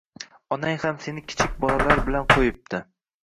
Onang ham seni kichik bolalar bilan qo’yibdi.